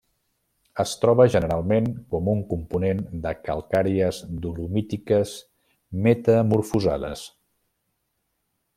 Es troba generalment com un component de calcàries dolomítiques metamorfosades.